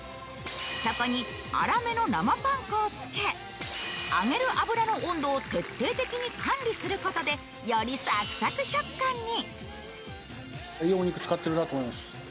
そこに粗めの生パン粉をつけ揚げる油の温度を徹底的に管理することでよりサクサク食感に。